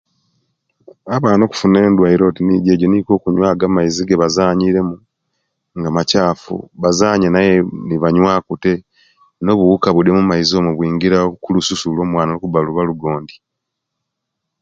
Abaana okufuna endwaire oti nijjo nga ejjo, nikwo okunywa amaizi ago agabazanyiiremu, nga makyaafu, bazaanya nayee nibanywaku tee; nobuwuka obwomumaizi okulususu lw'omwaana olwokuba luba lugondi.